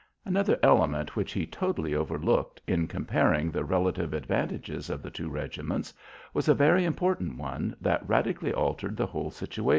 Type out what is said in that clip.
Another element which he totally overlooked in comparing the relative advantages of the two regiments was a very important one that radically altered the whole situation.